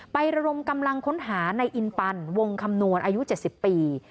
ระดมกำลังค้นหาในอินปันวงคำนวณอายุ๗๐ปี